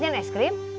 mak mau beli es krim